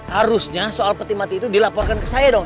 harusnya soal peti mati itu dilaporkan ke saya dong